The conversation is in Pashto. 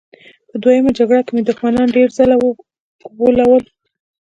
په دویمه جګړه کې مې دښمنان ډېر ځله وغولول